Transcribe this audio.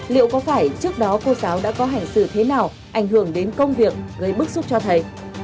liệu có phải trước đó cô giáo đã có hành xử thế nào ảnh hưởng đến công việc gây bức xúc cho thầy